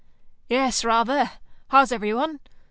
"Yes, rather. How's everyone?"